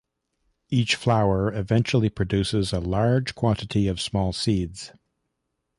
Each flower eventually produces a large quantity of small seeds.